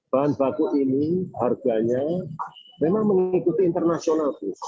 bahan baku ini harganya memang mengikuti internasional bus